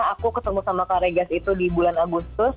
aku ketemu sama kak regas itu di bulan agustus